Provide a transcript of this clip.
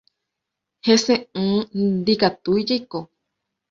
Heseʼỹ ndikatúi jaiko.